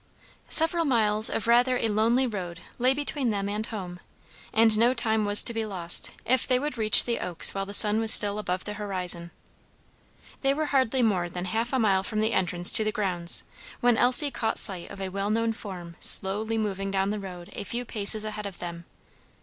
Several miles of rather a lonely road lay between them and home, and no time was to be lost, if they would reach the Oaks while the sun was still above the horizon. They were hardly more than half a mile from the entrance to the grounds, when Elsie caught sight of a well known form slowly moving down the road a few paces ahead of them.